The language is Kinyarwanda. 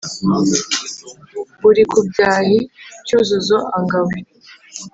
uri ku byahi cyuzuzo anga we